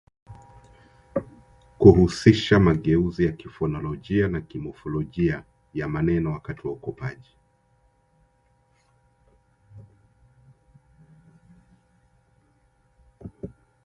kuhusisha mageuzi ya kifonolojia na kimofolojia ya maneno wakati wa ukopaji